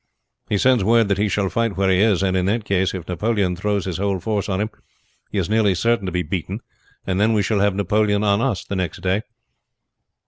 "'He sends word that he shall fight where he is; and in that case, if Napoleon throws his whole force on him, he is nearly certain to be beaten, and then we shall have Napoleon on us the next day."